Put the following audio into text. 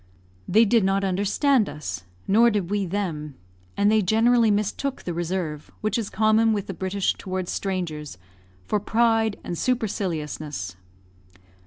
They did not understand us, nor did we them, and they generally mistook the reserve which is common with the British towards strangers for pride and superciliousness.